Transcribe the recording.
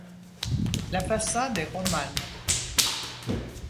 La façade est romane.